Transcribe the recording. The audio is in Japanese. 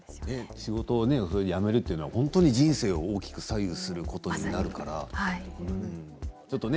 仕事を辞めるということは本当に人生を大きく左右することになるからね。